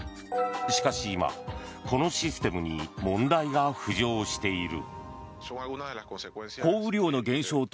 しかし今、このシステムに問題が浮上している。